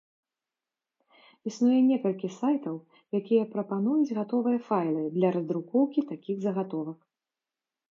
Існуе некалькі сайтаў, якія прапануюць гатовыя файлы для раздрукоўкі такіх загатовак.